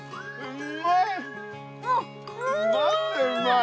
うんまい。